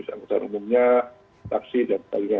sangkutan umumnya taksi dan sebagainya